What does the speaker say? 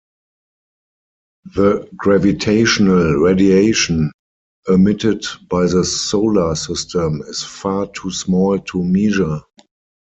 The gravitational radiation emitted by the Solar System is far too small to measure.